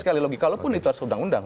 kalau pun itu harus undang undang